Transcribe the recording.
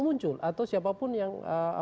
muncul atau siapapun yang